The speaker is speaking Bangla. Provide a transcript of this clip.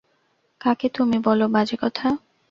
কাকে তুমি বল বাজে কথা?